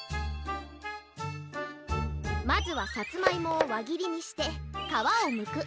まずはさつまいもをわぎりにしてかわをむく。